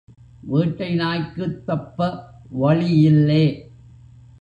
வேட்டை நாய்க்குத் தப்ப வழியில்லே.